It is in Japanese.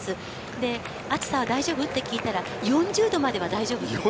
で、暑さは大丈夫？って聞いたら、４０度までは？